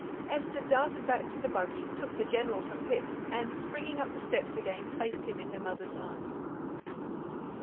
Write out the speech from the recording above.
Esther darted back to the buggy, took the General from Pip, and, springing up the steps again, placed him in her mother's arms.